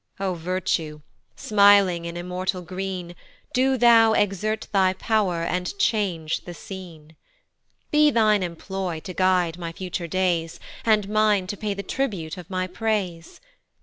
O Virtue, smiling in immortal green, Do thou exert thy pow'r, and change the scene; Be thine employ to guide my future days, And mine to pay the tribute of my praise.